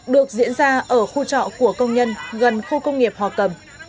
được diễn ra ở khu trọ của công nhân gần khu công nghiệp hòa cầm